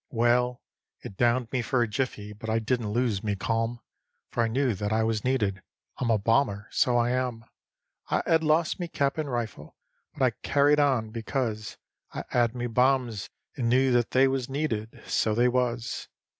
Well, it downed me for a jiffy, but I didn't lose me calm, For I knew that I was needed: I'm a bomber, so I am. I 'ad lost me cap and rifle, but I "carried on" because I 'ad me bombs and knew that they was needed, so they was.